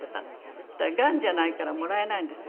そしたらがんじゃないからもらえないんですよ